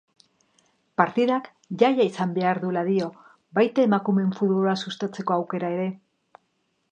Partidak jaia izan behar duela dio, batia emakumeen futbola sustatzeko aukera ere.